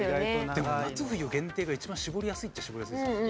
でも夏冬限定が一番絞りやすいっちゃ絞りやすいですよね。